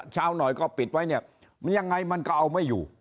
เช้าหน่อยก็ปิดไว้เนี่ยมันยังไงมันก็เอาไม่อยู่